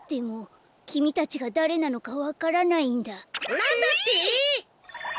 なんだって！？